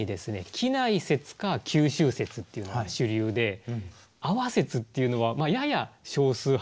畿内説か九州説っていうのが主流で阿波説っていうのはやや少数派というか。